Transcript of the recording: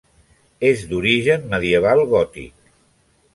És d'origen medieval gòtic.